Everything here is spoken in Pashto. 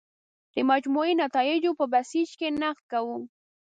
د مجموعي نتایجو په بیسج کې نقد کوو.